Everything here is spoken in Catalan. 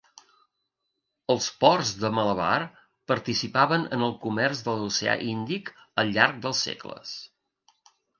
Els ports de Malabar participaven en el comerç de l'oceà Índic al llarg dels segles.